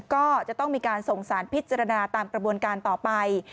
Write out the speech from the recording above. ก็จะต้องมีการส่งสารพิจารณาตามกระบวนการต่อไป